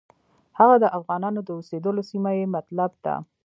هغه د افغانانو د اوسېدلو سیمه یې مطلب ده.